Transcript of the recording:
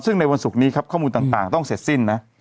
ซึ่งในวันศุกร์นี้ครับข้อมูลต่างต้องเสร็จสิ้นนะ